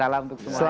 salam untuk semuanya